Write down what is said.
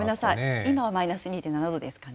今はマイナス２．７度ですかね。